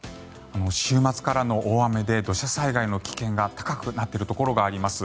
週末からの大雨で土砂災害の危険が高くなっているところがあります。